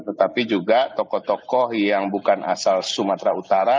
tetapi juga tokoh tokoh yang bukan asal sumatera utara